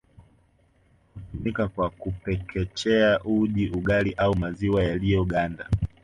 Hutumika kwa kupekechea uji ugali au maziwa yaliyoganda